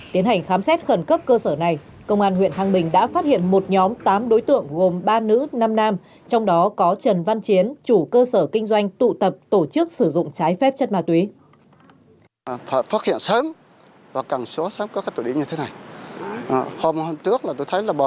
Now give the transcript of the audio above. tiến hành khám xét khẩn cấp cơ sở này công an huyện thăng bình đã phát hiện một nhóm tám đối tượng gồm ba nữ năm nam trong đó có trần văn chiến chủ cơ sở kinh doanh tụ tập tổ chức sử dụng trái phép chất ma túy